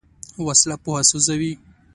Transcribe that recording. وسله پوهه سوځوي